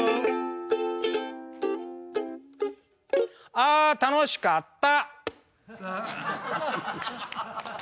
あ楽しかった！